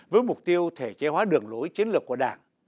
với mục tiêu thể chế hóa đường lối chiến lược của đảng